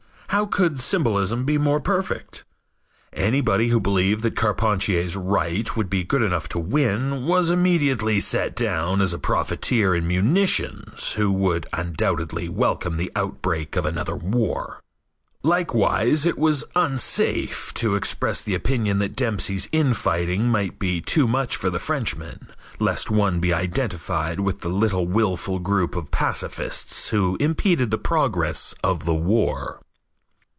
How could symbolism be more perfect? Anybody who believed that Carpentier's right would be good enough to win, was immediately set down as a profiteer in munitions who would undoubtedly welcome the outbreak of another war. Likewise it was unsafe to express the opinion that Dempsey's infighting might be too much for the Frenchman, lest one be identified with the little willful group of pacifists who impeded the progress of the war.